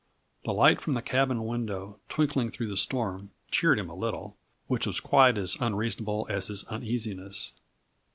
The light from the cabin window, twinkling through the storm, cheered him a little, which was quite as unreasonable as his uneasiness.